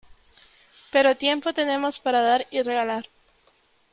pero tiempo tenemos para dar y regalar .